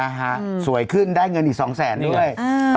นะฮะสวยขึ้นได้เงินอีกสองแสนด้วย